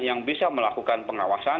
yang bisa melakukan pengawasan